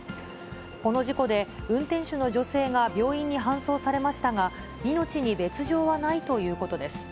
この事故で、運転手の女性が病院に搬送されましたが、命に別状はないということです。